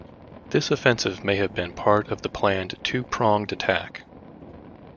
This offensive may have been part of the planned two-pronged attack.